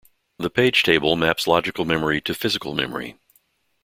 The page table maps logical memory to physical memory.